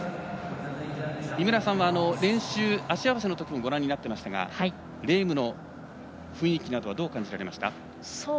井村さんは練習足合わせのときもご覧になっていましたがレームの雰囲気などはどう感じました？